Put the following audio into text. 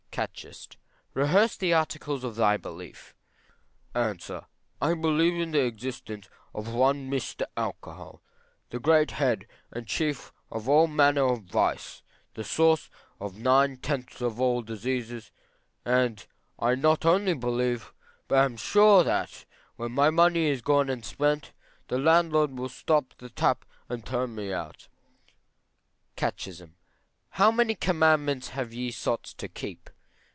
Catechist. Rehearse the articles of thy belief. Answer. I believe in the existence of one Mr Alcohol, the great head and chief of all manner of vice, the source of nine tenths of all diseases; and I not only believe, but am sure that when my money is gone and spent, the landlord will stop the tap and turn me out. C. How many commandments have ye sots to keep?